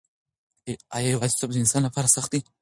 آیا یوازیتوب د انسان لپاره سخت دی؟